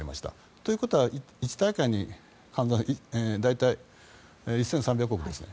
ということは１大会で考えると大体１３００億ですね。